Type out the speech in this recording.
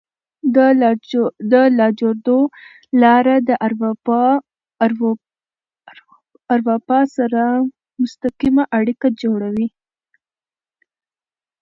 د لاجوردو لاره د اروپا سره مستقیمه اړیکه جوړوي.